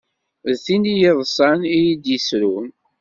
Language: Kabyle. D tin i yi-yeḍṣan i d i yi-yesrun.